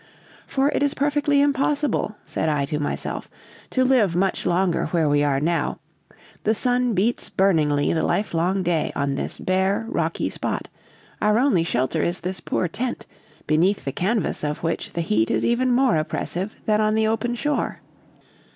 'For it is perfectly impossible,' said I to myself, 'to live much longer where we are now. The sun beats burningly the lifelong day on this bare, rocky spot, our only shelter is this poor tent, beneath the canvas of which the heat is even more oppressive than on the open shore.